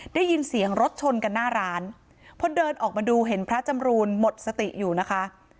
ได้ยินเสียงรถชนกันหน้าร้านพอเดินออกมาดูเห็นพระจำรูนหมดสติอยู่นะคะ